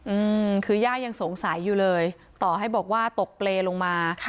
อืมคือย่ายังสงสัยอยู่เลยต่อให้บอกว่าตกเปรย์ลงมาค่ะ